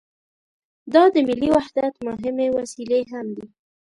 دا د ملي وحدت مهمې وسیلې هم دي.